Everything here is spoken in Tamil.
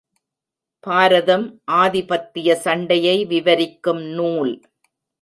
பாரதம் ஆதிபத்திய சண்டையை விவரிக்கும் நூல்.